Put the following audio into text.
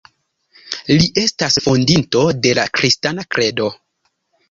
Li estas Fondinto de la Kristana Kredo.